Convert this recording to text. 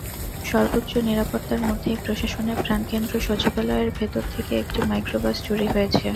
সর্বোচ্চ নিরাপত্তার মধ্যেই প্রশাসনের প্রাণকেন্দ্র সচিবালয়ের ভেতর থেকে একটি মাইক্রোবাস চুরি হয়েছে।